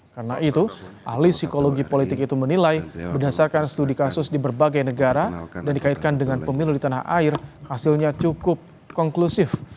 karena itu ahli psikologi politik itu menilai berdasarkan studi kasus di berbagai negara dan dikaitkan dengan pemilu di tanah air hasilnya cukup konklusif